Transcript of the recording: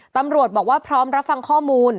ตำรวจบอกว่าพร้อมรับฟังข้อมูล